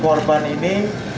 bahwa si korban ini